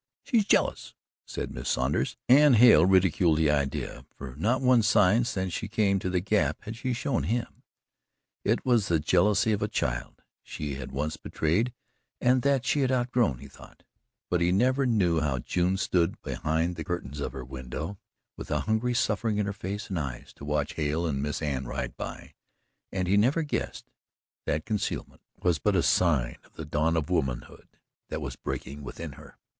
"She's jealous," said Miss Saunders, and Hale ridiculed the idea, for not one sign since she came to the Gap had she shown him. It was the jealousy of a child she had once betrayed and that she had outgrown, he thought; but he never knew how June stood behind the curtains of her window, with a hungry suffering in her face and eyes, to watch Hale and Miss Anne ride by and he never guessed that concealment was but a sign of the dawn of womanhood that was breaking within her.